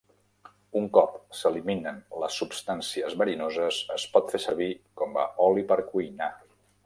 Un cop s'eliminen les substàncies verinoses, es pot fer servir com a oli per cuinar.